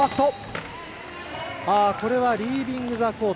これはリービングザコート。